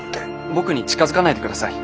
僕に近づかないでください。